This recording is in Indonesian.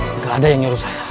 tidak ada yang nyuruh saya